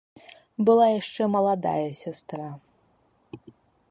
Была яшчэ маладая сястра.